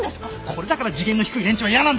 これだから次元の低い連中は嫌なんだよ。